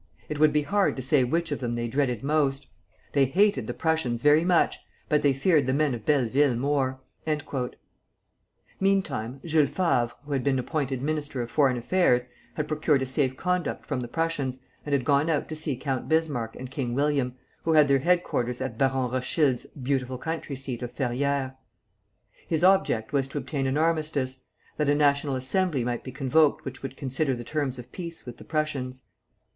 It would be hard to say which of them they dreaded most. They hated the Prussians very much, but they feared the men of Belleville more." Meantime Jules Favre, who had been appointed Minister for Foreign Affairs, had procured a safe conduct from the Prussians, and had gone out to see Count Bismarck and King William, who had their headquarters at Baron Rothschild's beautiful country seat of Ferrières. His object was to obtain an armistice, that a National Assembly might be convoked which would consider the terms of peace with the Prussians.